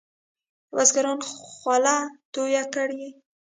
بزګرانو خوله توی کړې.